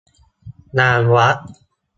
งานวัด